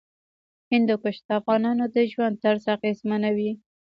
هندوکش د افغانانو د ژوند طرز اغېزمنوي.